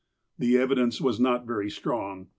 The evidence was not very strong.